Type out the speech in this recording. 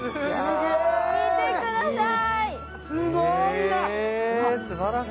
見てください。